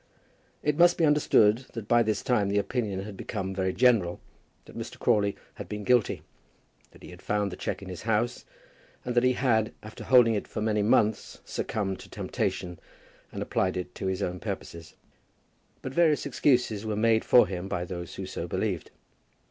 It must be understood that by this time the opinion had become very general that Mr. Crawley had been guilty, that he had found the cheque in his house, and that he had, after holding it for many months, succumbed to temptation, and applied it to his own purposes. But various excuses were made for him by those who so believed.